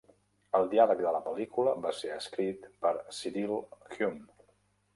El diàleg de la pel·lícula va ser escrit per Cyril Hume.